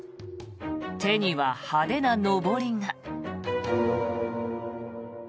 手には派手なのぼりが。